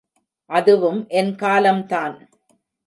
அதுவும் என் காலம்தான்.